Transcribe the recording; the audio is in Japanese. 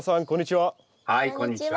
はいこんにちは。